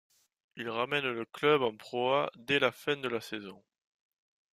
Il ramène le club en ProA dès la fin de la saison.